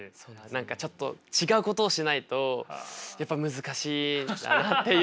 何かちょっと違うことをしないとやっぱ難しいなっていうのを。